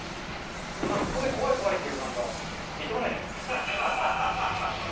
でもここで怖い怖い言うと、みっともないじゃないですか。